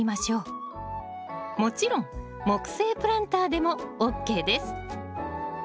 もちろん木製プランターでもＯＫです。